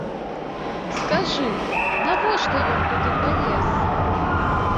Скажы, навошта ён туды палез?